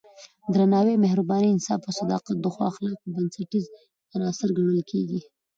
درناوی، مهرباني، انصاف او صداقت د ښو اخلاقو بنسټیز عناصر ګڼل کېږي.